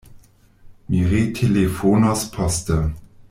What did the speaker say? Mi retelefonos poste.